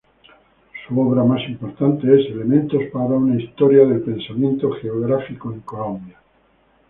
Su obra más importante es "Elementos para una historia del pensamiento geográfico en Colombia".